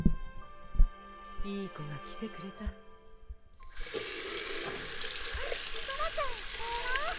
・いい子が来てくれた・・あっソラちゃん帰ろ！